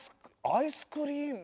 アイスクリーム。